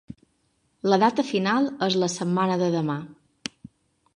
La data final és la setmana de demà